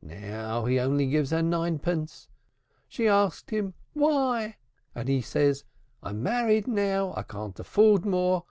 Now he only gives her ninepence. She asked him 'why?' and he said, 'I'm married now. I can't afford more.'